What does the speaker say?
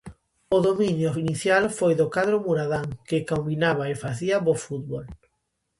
O dominio inicial foi do cadro muradán, que combinaba e facía bo fútbol.